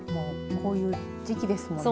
こういう時期ですもんね。